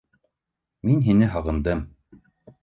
Мин һине һағындым